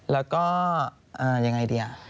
แล้วก็อย่างไรดีอ่ะ